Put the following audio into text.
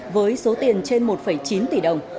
với số tiền trên một chín tỷ đồng